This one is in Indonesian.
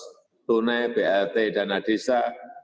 laporan dari pak menko pmk mengenai pkh paket sembako bancos tune brt dan adisa